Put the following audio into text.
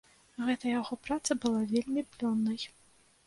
Гэтая яго праца была вельмі плённай.